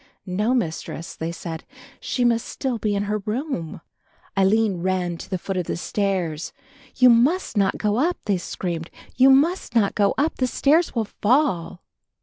"No, Mistress," they said, "she must still be in her room." Aline ran to the foot of the stairs. "You must not go up," they screamed, "you must not go up, the stairs will fall."